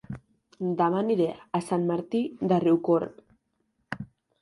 Dema aniré a Sant Martí de Riucorb